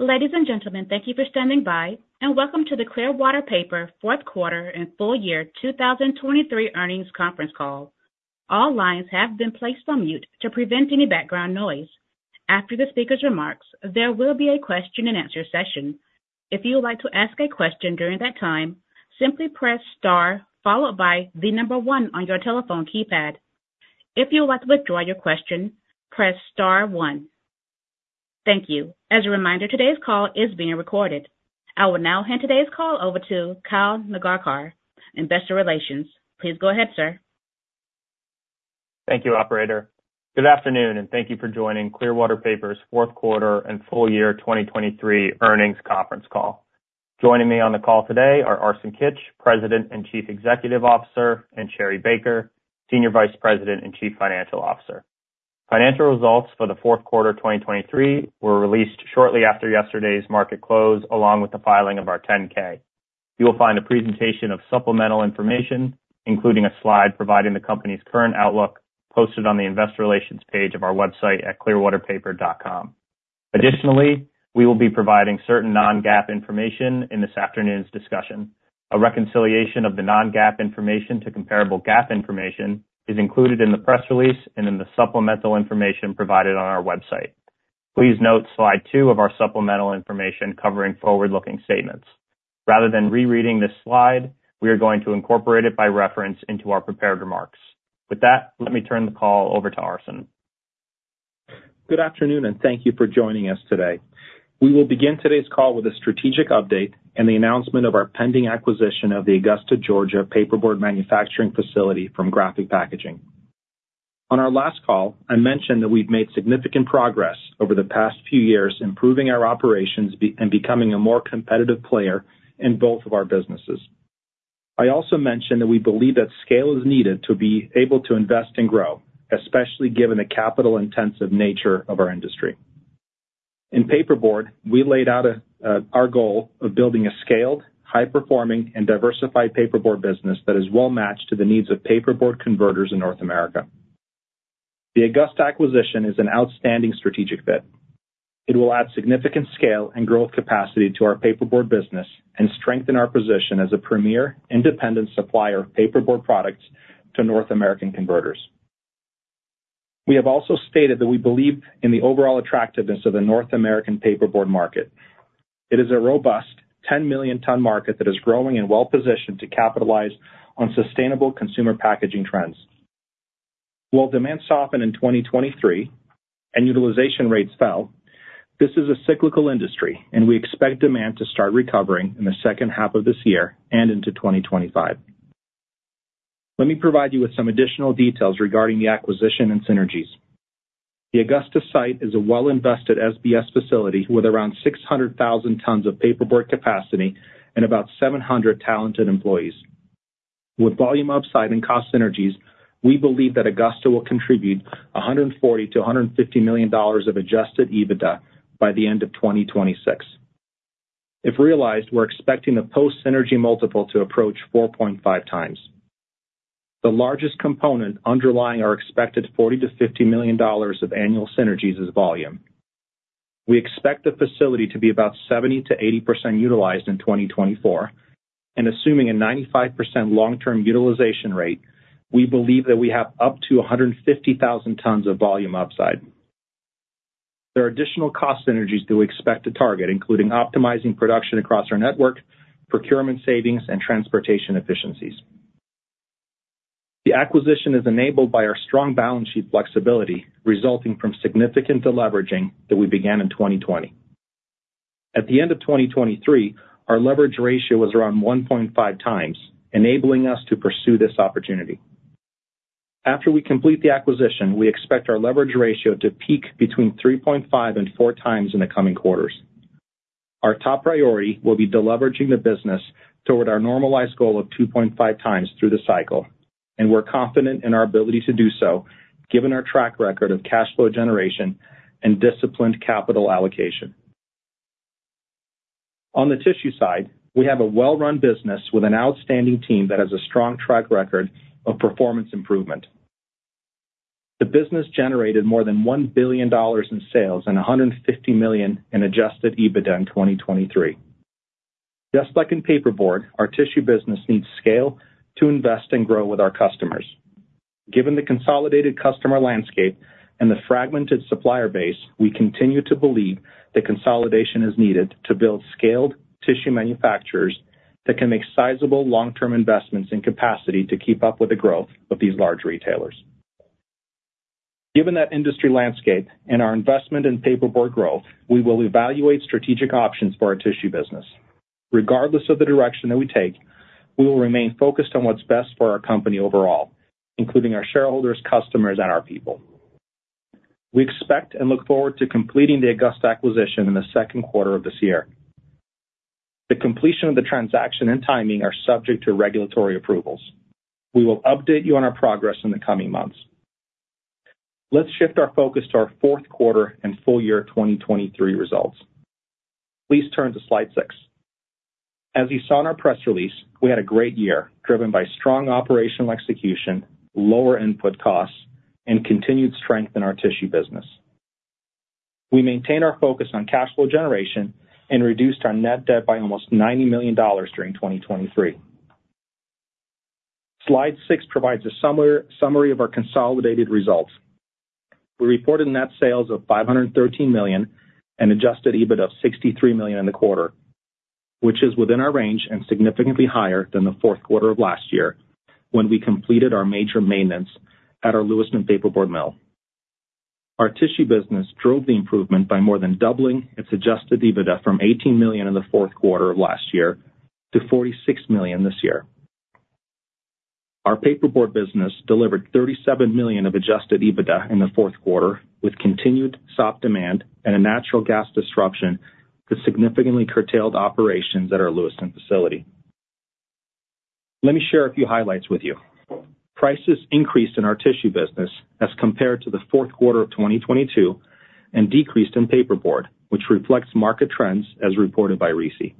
Ladies and gentlemen, thank you for standing by, and welcome to the Clearwater Paper fourth quarter and full year 2023 earnings conference call. All lines have been placed on mute to prevent any background noise. After the speaker's remarks, there will be a question-and-answer session. If you would like to ask a question during that time, simply press * followed by the number 1 on your telephone keypad. If you would like to withdraw your question, press star 1. Thank you. As a reminder, today's call is being recorded. I will now hand today's call over to Kyle Nagarkar, Investor Relations. Please go ahead, sir. Thank you, operator. Good afternoon, and thank you for joining Clearwater Paper's fourth quarter and full year 2023 earnings conference call. Joining me on the call today are Arsen Kitch, President and Chief Executive Officer, and Sherri Baker, Senior Vice President and Chief Financial Officer. Financial results for the fourth quarter 2023 were released shortly after yesterday's market close along with the filing of our 10-K. You will find a presentation of supplemental information, including a slide providing the company's current outlook, posted on the Investor Relations page of our website at clearwaterpaper.com. Additionally, we will be providing certain non-GAAP information in this afternoon's discussion. A reconciliation of the non-GAAP information to comparable GAAP information is included in the press release and in the supplemental information provided on our website. Please note slide 2 of our supplemental information covering forward-looking statements. Rather than rereading this slide, we are going to incorporate it by reference into our prepared remarks. With that, let me turn the call over to Arsen. Good afternoon, and thank you for joining us today. We will begin today's call with a strategic update and the announcement of our pending acquisition of the Augusta, Georgia paperboard manufacturing facility from Graphic Packaging. On our last call, I mentioned that we've made significant progress over the past few years improving our operations and becoming a more competitive player in both of our businesses. I also mentioned that we believe that scale is needed to be able to invest and grow, especially given the capital-intensive nature of our industry. In paperboard, we laid out our goal of building a scaled, high-performing, and diversified paperboard business that is well-matched to the needs of paperboard converters in North America. The Augusta acquisition is an outstanding strategic fit. It will add significant scale and growth capacity to our paperboard business and strengthen our position as a premier independent supplier of paperboard products to North American converters. We have also stated that we believe in the overall attractiveness of the North American paperboard market. It is a robust 10-million-ton market that is growing and well-positioned to capitalize on sustainable consumer packaging trends. While demand softened in 2023 and utilization rates fell, this is a cyclical industry, and we expect demand to start recovering in the second half of this year and into 2025. Let me provide you with some additional details regarding the acquisition and synergies. The Augusta site is a well-invested SBS facility with around 600,000 tons of paperboard capacity and about 700 talented employees. With volume upside and cost synergies, we believe that Augusta will contribute $140-$150 million of adjusted EBITDA by the end of 2026. If realized, we're expecting the post-synergy multiple to approach 4.5x. The largest component underlying our expected $40-$50 million of annual synergies is volume. We expect the facility to be about 70%-80% utilized in 2024, and assuming a 95% long-term utilization rate, we believe that we have up to 150,000 tons of volume upside. There are additional cost synergies that we expect to target, including optimizing production across our network, procurement savings, and transportation efficiencies. The acquisition is enabled by our strong balance sheet flexibility resulting from significant deleveraging that we began in 2020. At the end of 2023, our leverage ratio was around 1.5x, enabling us to pursue this opportunity. After we complete the acquisition, we expect our leverage ratio to peak between 3.5-4 times in the coming quarters. Our top priority will be deleveraging the business toward our normalized goal of 2.5 times through the cycle, and we're confident in our ability to do so given our track record of cash flow generation and disciplined capital allocation. On the tissue side, we have a well-run business with an outstanding team that has a strong track record of performance improvement. The business generated more than $1 billion in sales and $150 million in Adjusted EBITDA in 2023. Just like in paperboard, our tissue business needs scale to invest and grow with our customers. Given the consolidated customer landscape and the fragmented supplier base, we continue to believe that consolidation is needed to build scaled tissue manufacturers that can make sizable long-term investments in capacity to keep up with the growth of these large retailers. Given that industry landscape and our investment in paperboard growth, we will evaluate strategic options for our tissue business. Regardless of the direction that we take, we will remain focused on what's best for our company overall, including our shareholders, customers, and our people. We expect and look forward to completing the Augusta acquisition in the second quarter of this year. The completion of the transaction and timing are subject to regulatory approvals. We will update you on our progress in the coming months. Let's shift our focus to our fourth quarter and full year 2023 results. Please turn to slide 6. As you saw in our press release, we had a great year driven by strong operational execution, lower input costs, and continued strength in our tissue business. We maintained our focus on cash flow generation and reduced our net debt by almost $90 million during 2023. Slide 6 provides a summary of our consolidated results. We reported net sales of $513 million and Adjusted EBITDA of $63 million in the quarter, which is within our range and significantly higher than the fourth quarter of last year when we completed our major maintenance at our Lewiston paperboard mill. Our tissue business drove the improvement by more than doubling its Adjusted EBITDA from $18 million in the fourth quarter of last year to $46 million this year. Our paperboard business delivered $37 million of Adjusted EBITDA in the fourth quarter with continued SOP demand and a natural gas disruption that significantly curtailed operations at our Lewiston facility. Let me share a few highlights with you. Prices increased in our tissue business as compared to the fourth quarter of 2022 and decreased in paperboard, which reflects market trends as reported by RISI.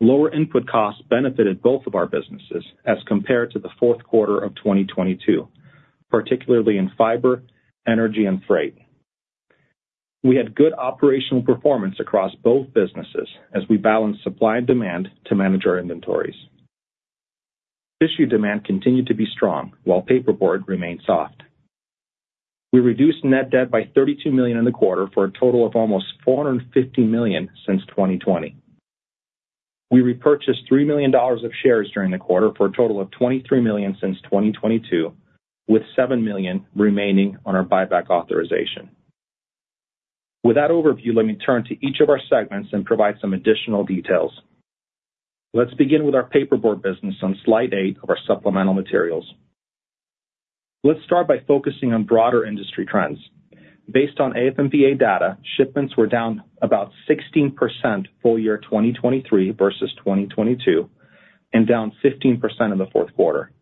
Lower input costs benefited both of our businesses as compared to the fourth quarter of 2022, particularly in fiber, energy, and freight. We had good operational performance across both businesses as we balanced supply and demand to manage our inventories. Tissue demand continued to be strong while paperboard remained soft. We reduced net debt by $32 million in the quarter for a total of almost $450 million since 2020. We repurchased $3 million of shares during the quarter for a total of $23 million since 2022, with $7 million remaining on our buyback authorization. With that overview, let me turn to each of our segments and provide some additional details. Let's begin with our paperboard business on slide 8 of our supplemental materials. Let's start by focusing on broader industry trends. Based on AF&PA data, shipments were down about 16% full year 2023 versus 2022 and down 15% in the fourth quarter.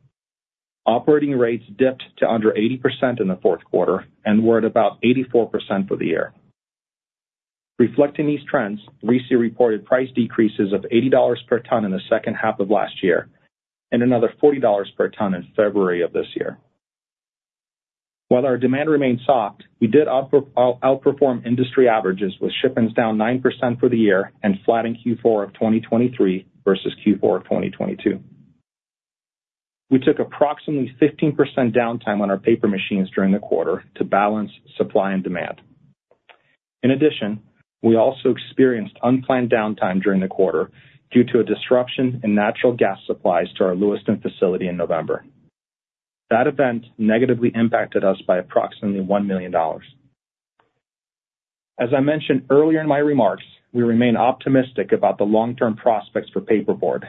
Operating rates dipped to under 80% in the fourth quarter and were at about 84% for the year. Reflecting these trends, RISI reported price decreases of $80 per ton in the second half of last year and another $40 per ton in February of this year. While our demand remained soft, we did outperform industry averages, with shipments down 9% for the year and flat in Q4 of 2023 versus Q4 of 2022. We took approximately 15% downtime on our paper machines during the quarter to balance supply and demand. In addition, we also experienced unplanned downtime during the quarter due to a disruption in natural gas supplies to our Lewiston facility in November. That event negatively impacted us by approximately $1 million. As I mentioned earlier in my remarks, we remain optimistic about the long-term prospects for paperboard.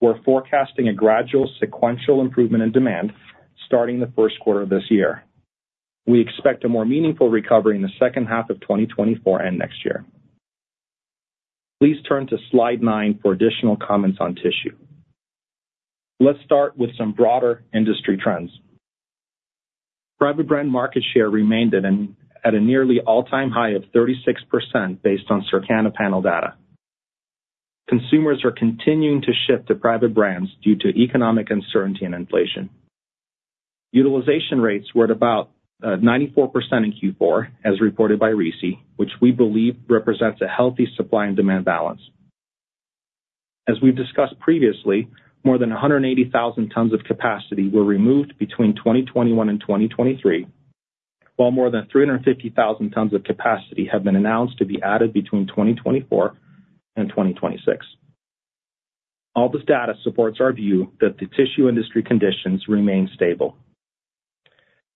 We're forecasting a gradual, sequential improvement in demand starting the first quarter of this year. We expect a more meaningful recovery in the second half of 2024 and next year. Please turn to slide 9 for additional comments on tissue. Let's start with some broader industry trends. Private brand market share remained at a nearly all-time high of 36% based on Circana panel data. Consumers are continuing to shift to private brands due to economic uncertainty and inflation. Utilization rates were at about 94% in Q4, as reported by RISI, which we believe represents a healthy supply and demand balance. As we've discussed previously, more than 180,000 tons of capacity were removed between 2021 and 2023, while more than 350,000 tons of capacity have been announced to be added between 2024 and 2026. All this data supports our view that the tissue industry conditions remain stable.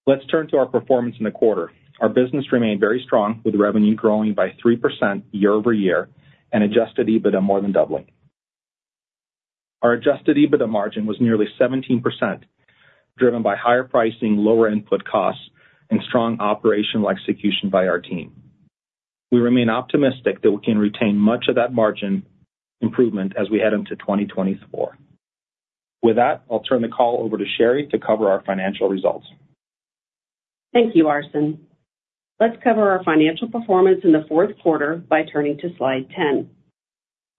Let's turn to our performance in the quarter. Our business remained very strong, with revenue growing by 3% year over year and adjusted EBITDA more than doubling. Our adjusted EBITDA margin was nearly 17%, driven by higher pricing, lower input costs, and strong operational execution by our team. We remain optimistic that we can retain much of that margin improvement as we head into 2024. With that, I'll turn the call over to Sherri to cover our financial results. Thank you, Arsen. Let's cover our financial performance in the fourth quarter by turning to slide 10.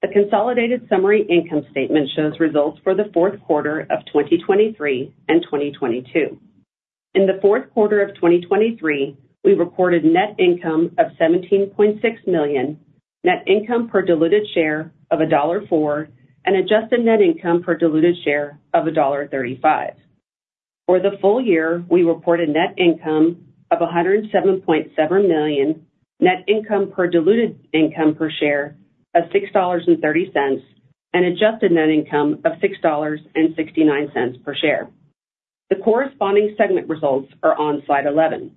The consolidated summary income statement shows results for the fourth quarter of 2023 and 2022. In the fourth quarter of 2023, we reported net income of $17.6 million, net income per diluted share of $1.04, and adjusted net income per diluted share of $1.35. For the full year, we reported net income of $107.7 million, net income per diluted share of $6.30, and adjusted net income of $6.69 per share. The corresponding segment results are on slide 11.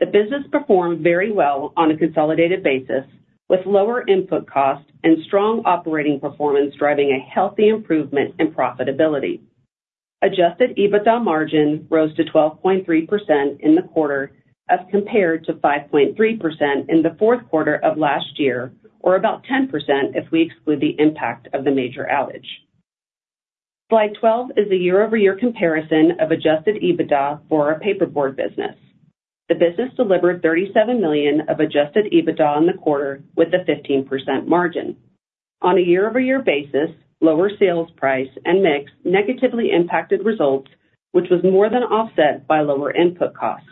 The business performed very well on a consolidated basis, with lower input costs and strong operating performance driving a healthy improvement in profitability. Adjusted EBITDA margin rose to 12.3% in the quarter as compared to 5.3% in the fourth quarter of last year, or about 10% if we exclude the impact of the major outage. Slide 12 is a year-over-year comparison of adjusted EBITDA for our paperboard business. The business delivered $37 million of adjusted EBITDA in the quarter with a 15% margin. On a year-over-year basis, lower sales price and mix negatively impacted results, which was more than offset by lower input costs.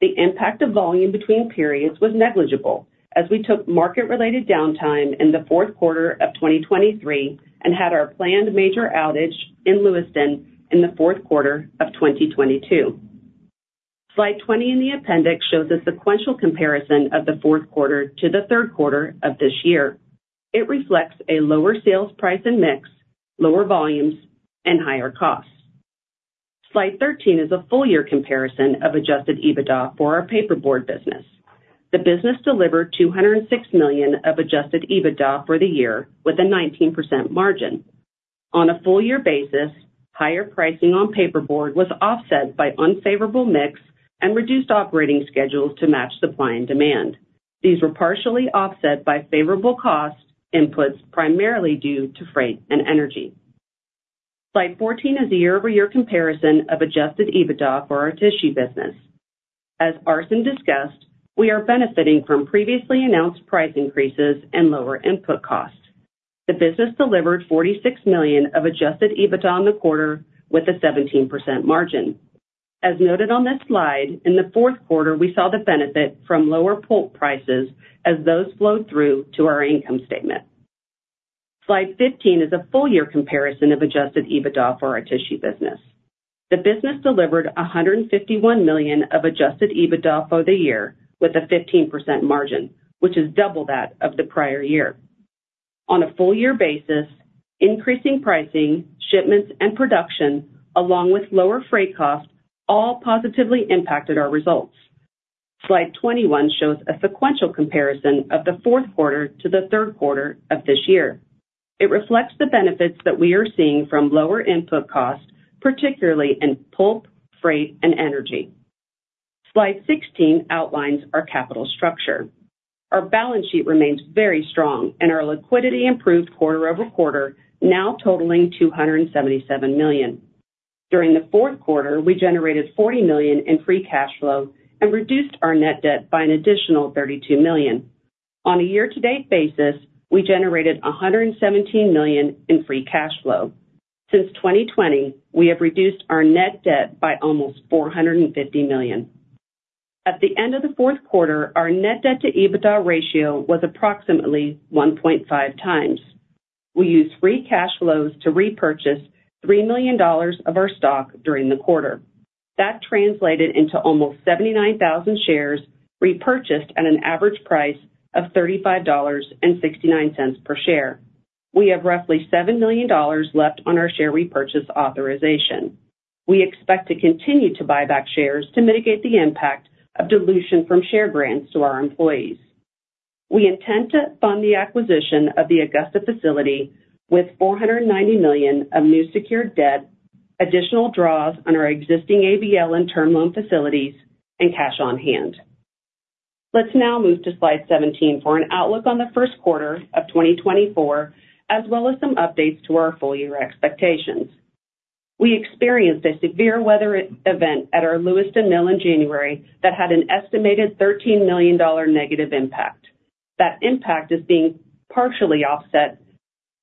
The impact of volume between periods was negligible as we took market-related downtime in the fourth quarter of 2023 and had our planned major outage in Lewiston in the fourth quarter of 2022. Slide 20 in the appendix shows a sequential comparison of the fourth quarter to the third quarter of this year. It reflects a lower sales price and mix, lower volumes, and higher costs. Slide 13 is a full-year comparison of adjusted EBITDA for our paperboard business. The business delivered $206 million of adjusted EBITDA for the year with a 19% margin. On a full-year basis, higher pricing on paperboard was offset by unfavorable mix and reduced operating schedules to match supply and demand. These were partially offset by favorable cost inputs, primarily due to freight and energy. Slide 14 is a year-over-year comparison of adjusted EBITDA for our tissue business. As Arsen discussed, we are benefiting from previously announced price increases and lower input costs. The business delivered $46 million of adjusted EBITDA in the quarter with a 17% margin. As noted on this slide, in the fourth quarter, we saw the benefit from lower pulp prices as those flowed through to our income statement. Slide 15 is a full-year comparison of adjusted EBITDA for our tissue business. The business delivered $151 million of adjusted EBITDA for the year with a 15% margin, which is double that of the prior year. On a full-year basis, increasing pricing, shipments, and production, along with lower freight costs, all positively impacted our results. Slide 21 shows a sequential comparison of the fourth quarter to the third quarter of this year. It reflects the benefits that we are seeing from lower input costs, particularly in pulp, freight, and energy. Slide 16 outlines our capital structure. Our balance sheet remains very strong, and our liquidity improved quarter-over-quarter, now totaling $277 million. During the fourth quarter, we generated $40 million in free cash flow and reduced our net debt by an additional $32 million. On a year-to-date basis, we generated $117 million in free cash flow. Since 2020, we have reduced our net debt by almost $450 million. At the end of the fourth quarter, our net debt-to-EBITDA ratio was approximately 1.5 times. We used free cash flows to repurchase $3 million of our stock during the quarter. That translated into almost 79,000 shares repurchased at an average price of $35.69 per share. We have roughly $7 million left on our share repurchase authorization. We expect to continue to buy back shares to mitigate the impact of dilution from share grants to our employees. We intend to fund the acquisition of the Augusta facility with $490 million of new secured debt, additional draws on our existing ABL and term loan facilities, and cash on hand. Let's now move to slide 17 for an outlook on the first quarter of 2024 as well as some updates to our full-year expectations. We experienced a severe weather event at our Lewiston mill in January that had an estimated $13 million negative impact. That impact is being partially offset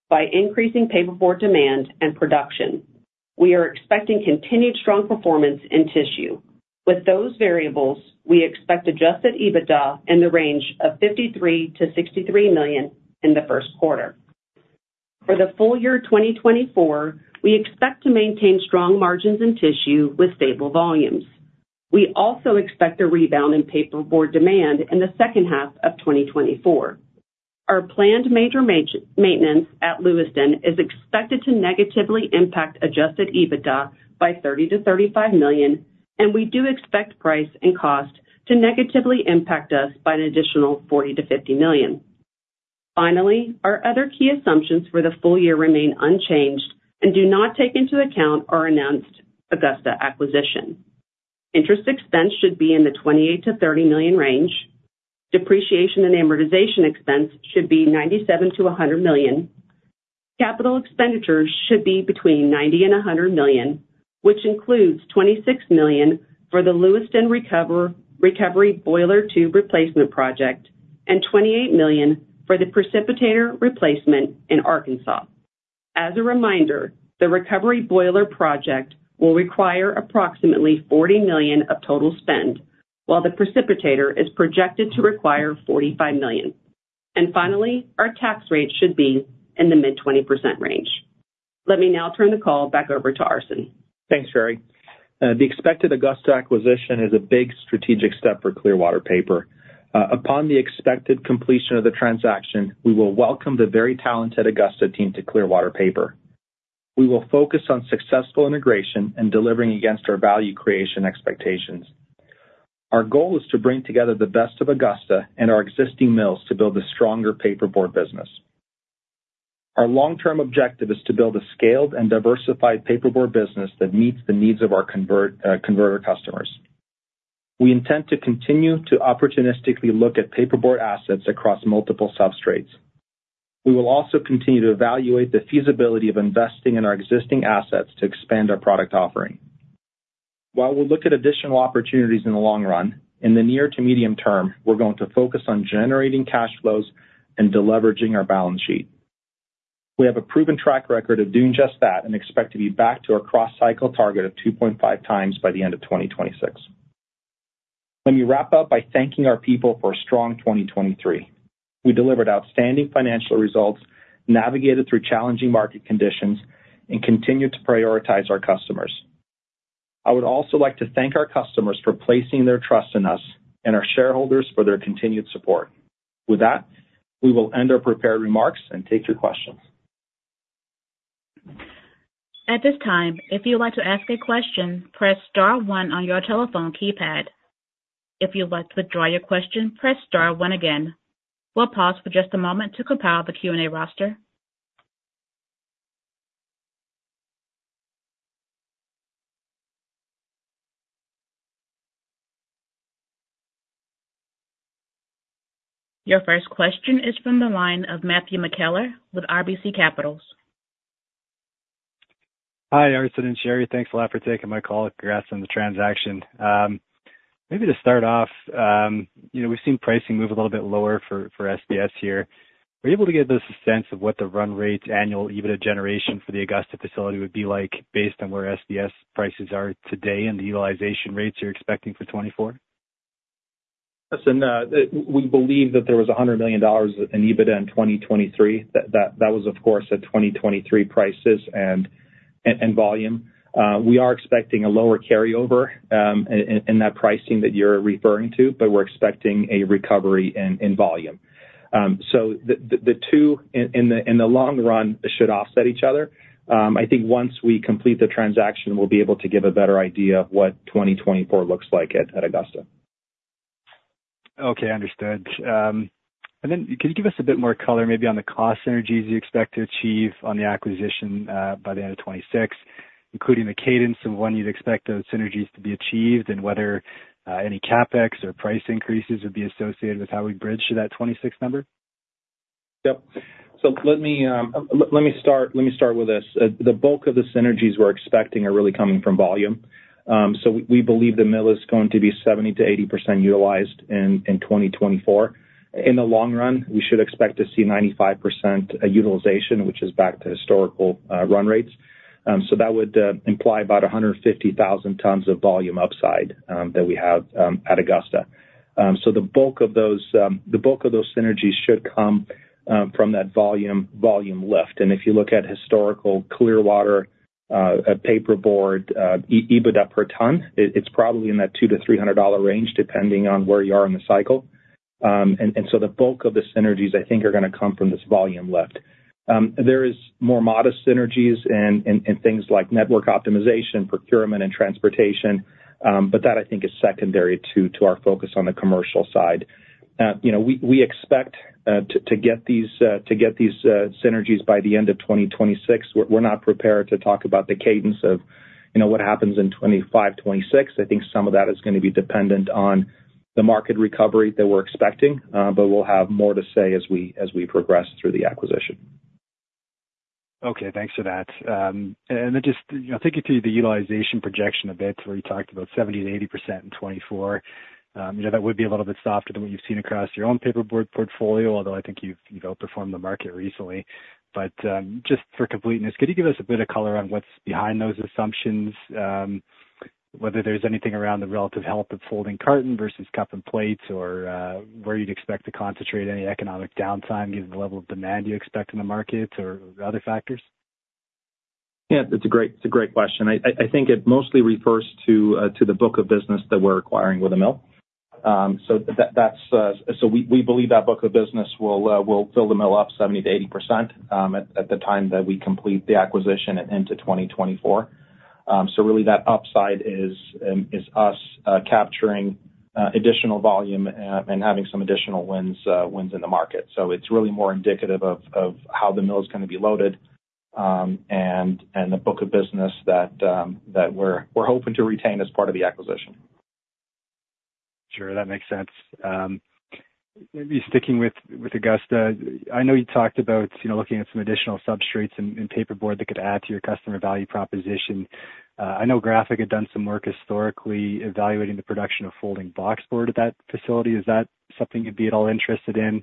by increasing paperboard demand and production. We are expecting continued strong performance in tissue. With those variables, we expect Adjusted EBITDA in the range of $53-$63 million in the first quarter. For the full year 2024, we expect to maintain strong margins in tissue with stable volumes. We also expect a rebound in paperboard demand in the second half of 2024. Our planned major maintenance at Lewiston is expected to negatively impact Adjusted EBITDA by $30-$35 million, and we do expect price and cost to negatively impact us by an additional $40-$50 million. Finally, our other key assumptions for the full year remain unchanged and do not take into account our announced Augusta acquisition. Interest expense should be in the $28-$30 million range. Depreciation and amortization expense should be $97-$100 million. Capital expenditures should be between $90 and $100 million, which includes $26 million for the Lewiston recovery boiler tube replacement project and $28 million for the precipitator replacement in Arkansas. As a reminder, the recovery boiler project will require approximately $40 million of total spend, while the precipitator is projected to require $45 million. And finally, our tax rate should be in the mid-20% range. Let me now turn the call back over to Arsen. Thanks, Sherri. The expected Augusta acquisition is a big strategic step for Clearwater Paper. Upon the expected completion of the transaction, we will welcome the very talented Augusta team to Clearwater Paper. We will focus on successful integration and delivering against our value creation expectations. Our goal is to bring together the best of Augusta and our existing mills to build a stronger paperboard business. Our long-term objective is to build a scaled and diversified paperboard business that meets the needs of our converter customers. We intend to continue to opportunistically look at paperboard assets across multiple substrates. We will also continue to evaluate the feasibility of investing in our existing assets to expand our product offering. While we'll look at additional opportunities in the long run, in the near to medium term, we're going to focus on generating cash flows and leveraging our balance sheet. We have a proven track record of doing just that and expect to be back to our cross-cycle target of 2.5 times by the end of 2026. Let me wrap up by thanking our people for a strong 2023. We delivered outstanding financial results, navigated through challenging market conditions, and continued to prioritize our customers. I would also like to thank our customers for placing their trust in us and our shareholders for their continued support. With that, we will end our prepared remarks and take your questions. At this time, if you would like to ask a question, press star one on your telephone keypad. If you would like to withdraw your question, press star one again. We'll pause for just a moment to compile the Q&A roster. Your first question is from the line of Matthew McKellar with RBC Capital Markets. Hi, Arsen and Sherri. Thanks a lot for taking my call. Congrats on the transaction. Maybe to start off, we've seen pricing move a little bit lower for SBS here. Are you able to give us a sense of what the run rate annual EBITDA generation for the Augusta facility would be like based on where SBS prices are today and the utilization rates you're expecting for 2024? Arsen, we believe that there was $100 million in EBITDA in 2023. That was, of course, at 2023 prices and volume. We are expecting a lower carryover in that pricing that you're referring to, but we're expecting a recovery in volume. So the two in the long run should offset each other. I think once we complete the transaction, we'll be able to give a better idea of what 2024 looks like at Augusta. Okay. Understood. And then can you give us a bit more color maybe on the cost synergies you expect to achieve on the acquisition by the end of 2026, including the cadence of when you'd expect those synergies to be achieved and whether any CapEx or price increases would be associated with how we bridge to that 2026 number? Yep. So let me start with this. The bulk of the synergies we're expecting are really coming from volume. So we believe the mill is going to be 70%-80% utilized in 2024. In the long run, we should expect to see 95% utilization, which is back to historical run rates. So that would imply about 150,000 tons of volume upside that we have at Augusta. So the bulk of those synergies should come from that volume lift. And if you look at historical Clearwater paperboard EBITDA per ton, it's probably in that $200-$300 range depending on where you are in the cycle. And so the bulk of the synergies, I think, are going to come from this volume lift. There are more modest synergies in things like network optimization, procurement, and transportation, but that, I think, is secondary to our focus on the commercial side. We expect to get these synergies by the end of 2026. We're not prepared to talk about the cadence of what happens in 2025, 2026. I think some of that is going to be dependent on the market recovery that we're expecting, but we'll have more to say as we progress through the acquisition. Okay. Thanks for that. And then just take you through the utilization projection a bit where you talked about 70%-80% in 2024. That would be a little bit softer than what you've seen across your own paperboard portfolio, although I think you've outperformed the market recently. But just for completeness, could you give us a bit of color on what's behind those assumptions, whether there's anything around the relative health of folding carton versus cup and plates or where you'd expect to concentrate any economic downtime given the level of demand you expect in the market or other factors? Yeah. It's a great question. I think it mostly refers to the book of business that we're acquiring with the mill. So we believe that book of business will fill the mill up 70%-80% at the time that we complete the acquisition and into 2024. So really, that upside is us capturing additional volume and having some additional wins in the market. So it's really more indicative of how the mill is going to be loaded and the book of business that we're hoping to retain as part of the acquisition. Sure. That makes sense. Maybe sticking with Augusta, I know you talked about looking at some additional substrates in paperboard that could add to your customer value proposition. I know Graphic had done some work historically evaluating the production of folding boxboard at that facility. Is that something you'd be at all interested in?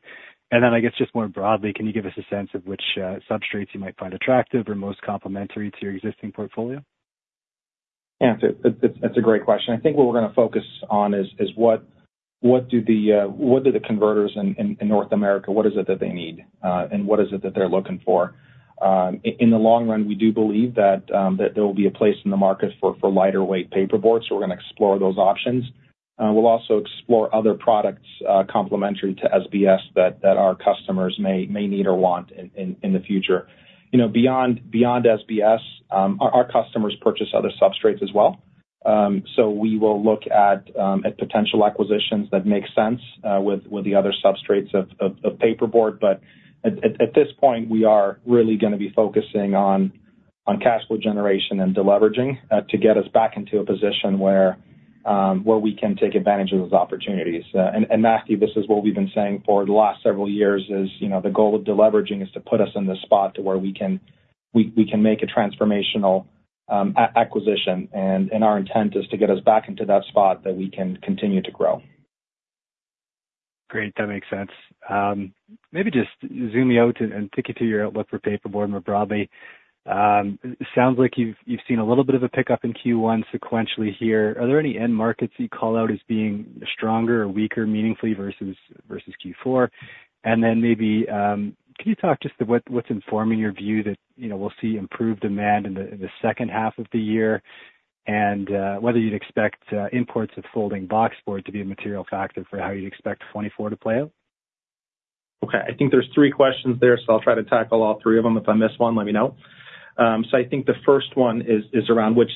And then, I guess, just more broadly, can you give us a sense of which substrates you might find attractive or most complementary to your existing portfolio? Yeah. That's a great question. I think what we're going to focus on is what do the converters in North America, what is it that they need, and what is it that they're looking for? In the long run, we do believe that there will be a place in the market for lighter-weight paperboards, so we're going to explore those options. We'll also explore other products complementary to SBS that our customers may need or want in the future. Beyond SBS, our customers purchase other substrates as well. So we will look at potential acquisitions that make sense with the other substrates of paperboard. But at this point, we are really going to be focusing on cash flow generation and deleveraging to get us back into a position where we can take advantage of those opportunities. Matthew, this is what we've been saying for the last several years is the goal of deleveraging is to put us in the spot to where we can make a transformational acquisition. Our intent is to get us back into that spot that we can continue to grow. Great. That makes sense. Maybe just zooming out and take you through your outlook for paperboard more broadly. Sounds like you've seen a little bit of a pickup in Q1 sequentially here. Are there any end markets that you call out as being stronger or weaker meaningfully versus Q4? And then maybe can you talk just about what's informing your view that we'll see improved demand in the second half of the year and whether you'd expect imports of Folding Boxboard to be a material factor for how you'd expect 2024 to play out? Okay. I think there's 3 questions there, so I'll try to tackle all 3 of them. If I miss one, let me know. So I think the first one is around which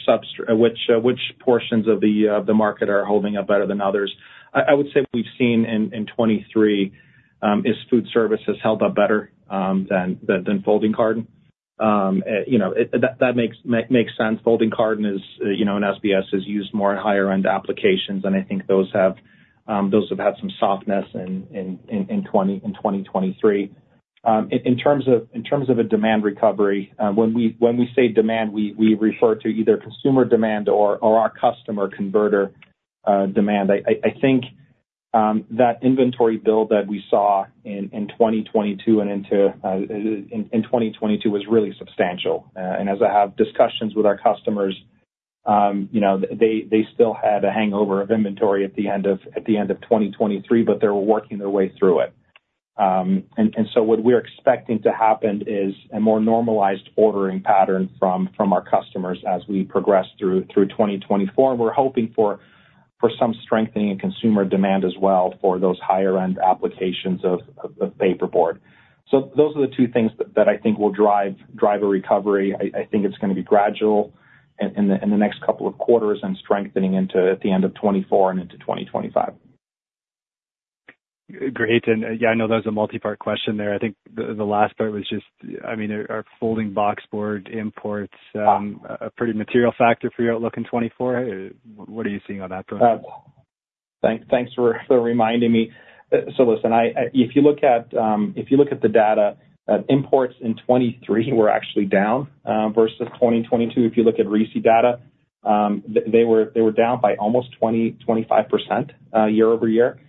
portions of the market are holding up better than others. I would say what we've seen in 2023 is food services held up better than Folding Carton. That makes sense. Folding Carton in SBS is used more in higher-end applications, and I think those have had some softness in 2023. In terms of a demand recovery, when we say demand, we refer to either consumer demand or our customer converter demand. I think that inventory build that we saw in 2022 and into 2022 was really substantial. And as I have discussions with our customers, they still had a hangover of inventory at the end of 2023, but they were working their way through it. What we're expecting to happen is a more normalized ordering pattern from our customers as we progress through 2024. We're hoping for some strengthening in consumer demand as well for those higher-end applications of paperboard. Those are the two things that I think will drive a recovery. I think it's going to be gradual in the next couple of quarters and strengthening at the end of 2024 and into 2025. Great. And yeah, I know that was a multi-part question there. I think the last part was just, I mean, are Folding Boxboard imports a pretty material factor for your outlook in 2024? What are you seeing on that? Thanks for reminding me. So listen, if you look at the data, imports in 2023 were actually down versus 2022. If you look at RISI data, they were down by almost 20%-25% year-over-year.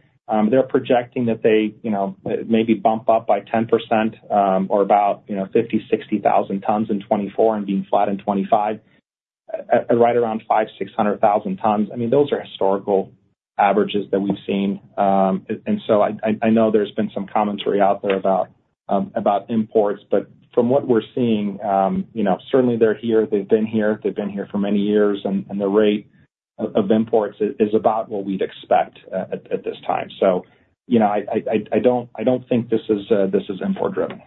They're projecting that they maybe bump up by 10% or about 50,000-60,000 tons in 2024 and being flat in 2025, right around 500,000-600,000 tons. I mean, those are historical averages that we've seen. And so I know there's been some commentary out there about imports, but from what we're seeing, certainly, they're here. They've been here. They've been here for many years, and the rate of imports is about what we'd expect at this time. So I don't think this is import-driven.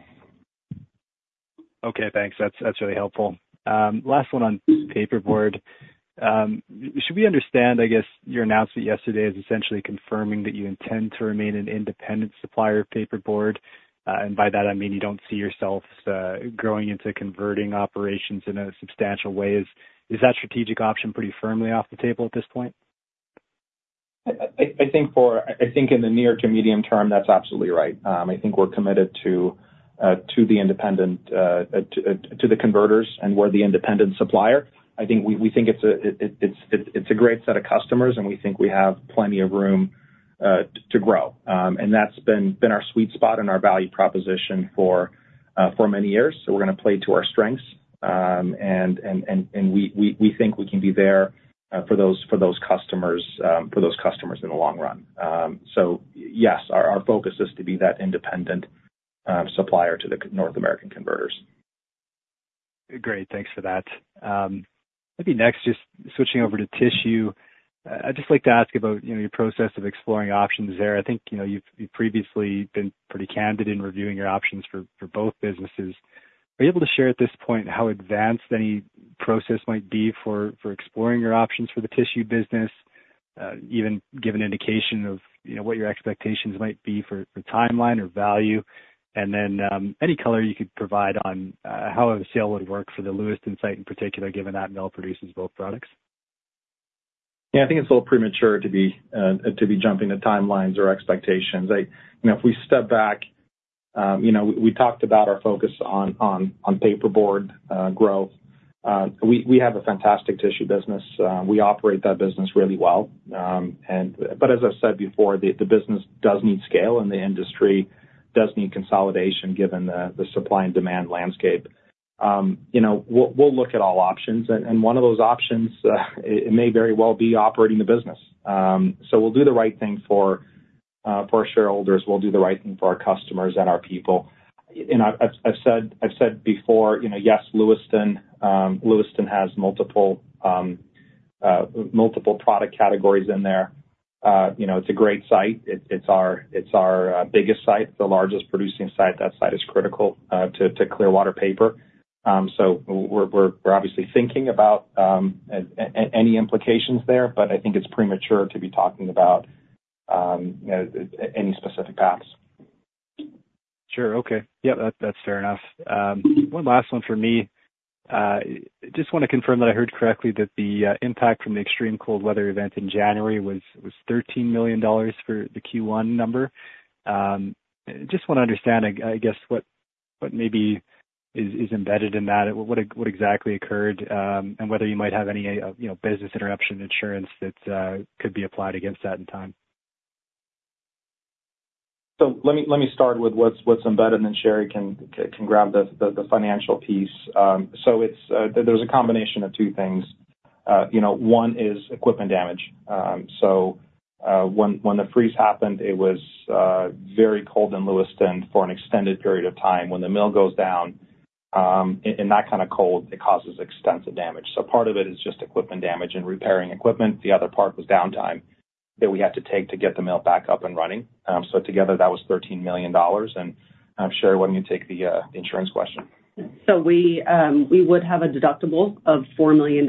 Okay. Thanks. That's really helpful. Last one on paperboard. Should we understand, I guess, your announcement yesterday is essentially confirming that you intend to remain an independent supplier of paperboard? And by that, I mean you don't see yourself growing into converting operations in a substantial way. Is that strategic option pretty firmly off the table at this point? I think in the near to medium term, that's absolutely right. I think we're committed to the independent to the converters and we're the independent supplier. I think we think it's a great set of customers, and we think we have plenty of room to grow. That's been our sweet spot and our value proposition for many years. So we're going to play to our strengths, and we think we can be there for those customers in the long run. So yes, our focus is to be that independent supplier to the North American converters. Great. Thanks for that. Maybe next, just switching over to tissue, I'd just like to ask about your process of exploring options there. I think you've previously been pretty candid in reviewing your options for both businesses. Are you able to share at this point how advanced any process might be for exploring your options for the tissue business, even give an indication of what your expectations might be for timeline or value? And then any color you could provide on how a sale would work for the Lewiston site in particular, given that mill produces both products? Yeah. I think it's a little premature to be jumping to timelines or expectations. If we step back, we talked about our focus on paperboard growth. We have a fantastic tissue business. We operate that business really well. But as I've said before, the business does need scale, and the industry does need consolidation given the supply and demand landscape. We'll look at all options, and one of those options, it may very well be operating the business. So we'll do the right thing for our shareholders. We'll do the right thing for our customers and our people. And I've said before, yes, Lewiston has multiple product categories in there. It's a great site. It's our biggest site. It's the largest producing site. That site is critical to Clearwater Paper. So we're obviously thinking about any implications there, but I think it's premature to be talking about any specific paths. Sure. Okay. Yep. That's fair enough. One last one for me. Just want to confirm that I heard correctly that the impact from the extreme cold weather event in January was $13 million for the Q1 number. Just want to understand, I guess, what maybe is embedded in that, what exactly occurred, and whether you might have any business interruption insurance that could be applied against that in time. So let me start with what's embedded, and then Sherri can grab the financial piece. So there's a combination of two things. One is equipment damage. So when the freeze happened, it was very cold in Lewiston for an extended period of time. When the mill goes down in that kind of cold, it causes extensive damage. So part of it is just equipment damage and repairing equipment. The other part was downtime that we had to take to get the mill back up and running. So together, that was $13 million. And Sherri, why don't you take the insurance question? We would have a deductible of $4 million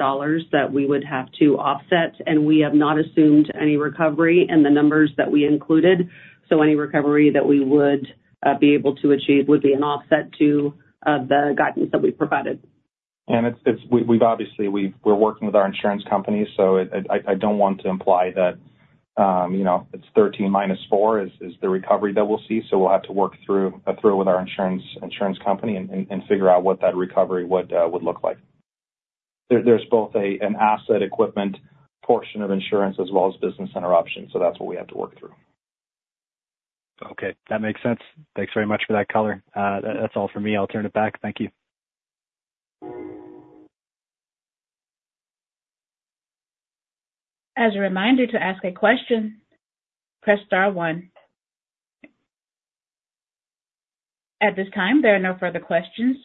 that we would have to offset, and we have not assumed any recovery in the numbers that we included. Any recovery that we would be able to achieve would be an offset to the guidance that we provided. We're working with our insurance company, so I don't want to imply that it's 13 minus 4 is the recovery that we'll see. We'll have to work through with our insurance company and figure out what that recovery would look like. There's both an asset equipment portion of insurance as well as business interruptions. That's what we have to work through. Okay. That makes sense. Thanks very much for that caller. That's all for me. I'll turn it back. Thank you. As a reminder to ask a question, press star one. At this time, there are no further questions.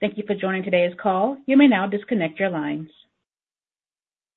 Thank you for joining today's call. You may now disconnect your lines.